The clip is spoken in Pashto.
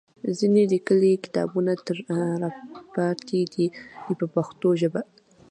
ځینې لیکلي کتابونه ترې راپاتې دي په پښتو ژبه.